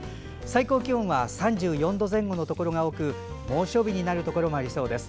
最高気温は３４度前後のところが多く猛暑日になるところもありそうです。